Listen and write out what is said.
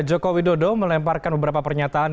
jokowi dodo melemparkan beberapa pernyataan